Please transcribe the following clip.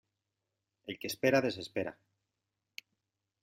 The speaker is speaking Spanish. El que espera desespera.